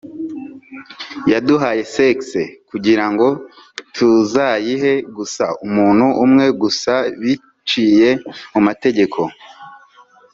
yaduhaye sex kugirango tuzayihe gusa umuntu umwe gusa biciye mu mategeko